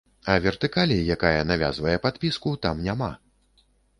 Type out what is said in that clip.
А вертыкалі, якая навязвае падпіску, там няма.